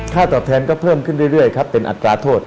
ตอบแทนก็เพิ่มขึ้นเรื่อยครับเป็นอัตราโทษ